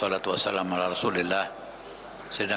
karya insya allah bisa melahirkan